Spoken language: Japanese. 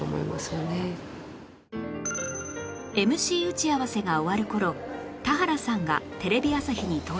ＭＣ 打ち合わせが終わる頃田原さんがテレビ朝日に到着